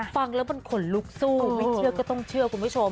ฟังแล้วมันขนลุกสู้ไม่เชื่อก็ต้องเชื่อคุณผู้ชม